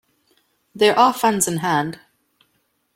There are funds in hand.